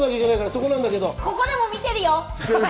ここでも見てるよ！